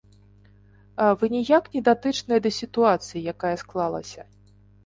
Вы ніяк не датычныя да сітуацыі, якая склалася.